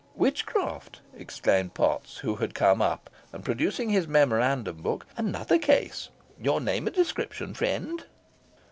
"Witchcraft!" exclaimed Potts, who had come up, and producing his memorandum book. "Another case. Your name and description, friend?"